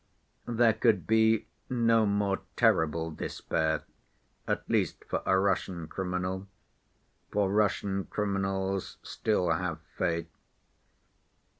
There could be no more terrible despair, at least for a Russian criminal, for Russian criminals still have faith.